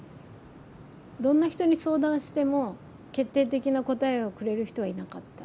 どんな人に相談しても決定的な答えをくれる人はいなかった。